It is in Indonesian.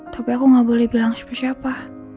tapi aku gak boleh bilang siapa siapa